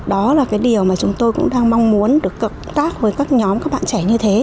đó là cái điều mà chúng tôi cũng đang mong muốn được cập tác với các nhóm các bạn trẻ như thế